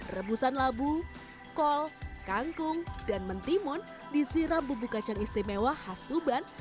rebusan labu kol kangkung dan mentimun disiram bubuk kacang istimewa khas tuban